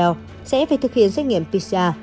vtl sẽ phải thực hiện xét nghiệm pcr